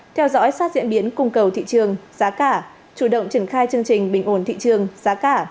theo dõi sát diễn biến cung cầu thị trường giá cả chủ động triển khai chương trình bình ổn thị trường giá cả